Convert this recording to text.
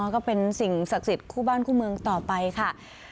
ก็เป็นสิ่งศักดิ์สิทธิ์คู่บ้านคู่เมืองต่อไปค่ะ